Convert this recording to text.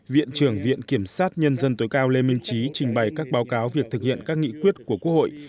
viện trưởng viện kiểm sát nhân dân tối cao lê minh trí trình bày các báo cáo việc thực hiện các nghị quyết của quốc hội